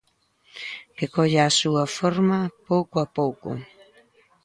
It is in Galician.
Que colle a súa forma pouco a pouco.